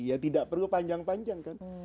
ya tidak perlu panjang panjang kan